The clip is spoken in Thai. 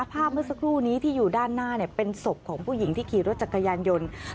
ภาพเมื่อสักครู่นี้ที่อยู่ด้านหน้าเป็นศพของผู้หญิงที่ขี่รถจักรยานยนต์